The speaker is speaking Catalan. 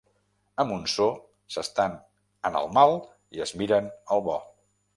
A Montsó s'estan en el mal i es miren el bo.